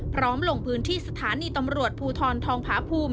ลงพื้นที่สถานีตำรวจภูทรทองผาภูมิ